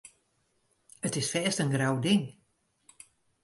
It is fêst in grou ding.